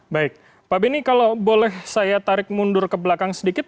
baik pak beni kalau boleh saya tarik mundur ke belakang sedikit